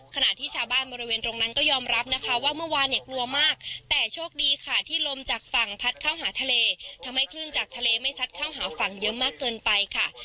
ขณะที่ชาวบ้านบริเวณตรงนั้นก็ยอมรับนะคะว่าเมื่อวานเนี่ยกลัวมากแต่โชคดีค่ะที่ลมจากฝั่งพัดเข้าหาทะเลทำให้คลื่นจากทะเลไม่ซัดเข้าหาฝั่งเยอะมากเกินไปค่ะ